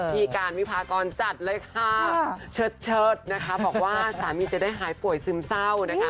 พี่การวิพากรจัดเลยค่ะเชิดบอกว่าสามีจะได้หายป่วยซึมเศร้า